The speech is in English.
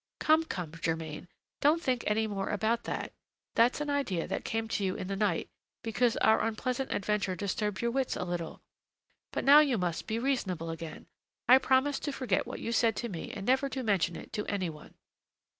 "Come, come, Germain, don't think any more about that; that's an idea that came to you in the night, because our unpleasant adventure disturbed your wits a little. But now you must be reasonable again; I promise to forget what you said to me and never to mention it to any one."